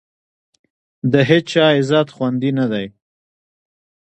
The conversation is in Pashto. د هېچا عزت خوندي نه دی.